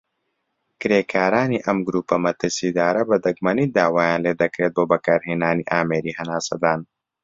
کرێکارانی ئەم گرووپە مەترسیدارە بە دەگمەنی داوایان لێدەکرێت بۆ بەکارهێنانی ئامێری هەناسەدان.